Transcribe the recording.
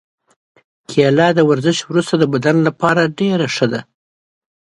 کېله د ورزش وروسته د بدن لپاره ښه ده.